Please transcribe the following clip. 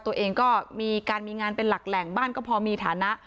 ตัวเองก็มีการมีงานเป็นหลักแหล่งบ้านก็พอมีฐานะ